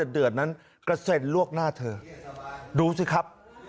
เดือดนั้นกระเซ็นลวกหน้าเธอดูสิครับ